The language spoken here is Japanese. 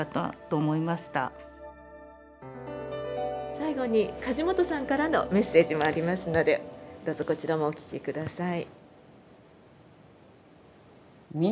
最後に梶本さんからのメッセージもありますのでどうぞこちらもお聞き下さい。